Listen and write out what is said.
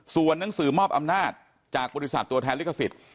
ส่วนหนังสือมอบอำนาจจากบริษัทตัวแทนลิขสิทธิ์